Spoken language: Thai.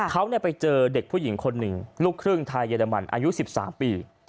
เขาไปเจอเด็กผู้หญิงคนหนึ่งลูกครึ่งไทยเยอรมันอายุ๑๓ปี